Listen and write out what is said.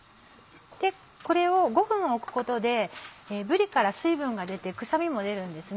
これを５分置くことでぶりから水分が出て臭みも出るんですね。